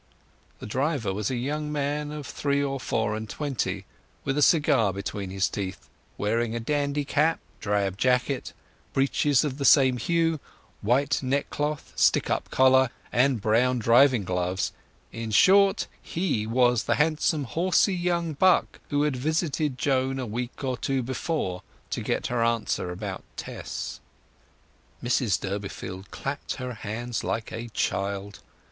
The driver was a young man of three or four and twenty, with a cigar between his teeth; wearing a dandy cap, drab jacket, breeches of the same hue, white neckcloth, stick up collar, and brown driving gloves—in short, he was the handsome, horsey young buck who had visited Joan a week or two before to get her answer about Tess. Mrs Durbeyfield clapped her hands like a child.